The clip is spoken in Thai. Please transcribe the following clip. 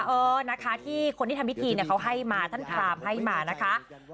เออนะคะที่คนที่ทำพิธีเนี่ยเขาให้มาท่านพรามให้มานะคะ